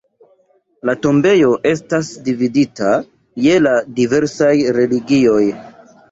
La tombejo estas dividita je la diversaj religioj.